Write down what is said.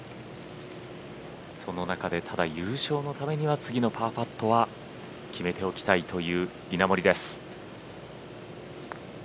その中でただ優勝のためには次のパーパットは決めておきたいという稲森です。